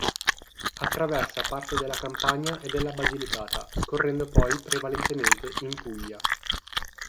Attraversa parte della Campania e della Basilicata, scorrendo poi prevalentemente in Puglia.